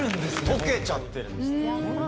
溶けちゃってるんです。